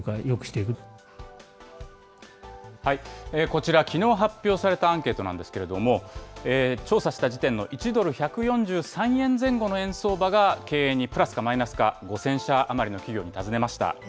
こちら、きのう発表されたアンケートなんですけれども、調査した時点の１ドル１４３円前後の円相場が経営にプラスかマイナスか、５０００社余りの企業に尋ねました。